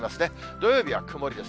土曜日は曇りです。